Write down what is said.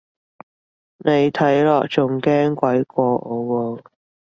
你睇落仲驚鬼過我喎